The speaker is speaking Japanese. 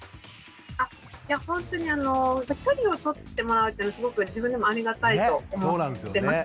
あっほんとに距離を取ってもらうっていうのはすごく自分でもありがたいと思ってます。